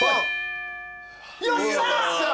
よっしゃ！